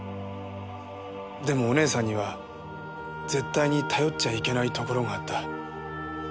でもお姉さんには絶対に頼っちゃいけないところがあった。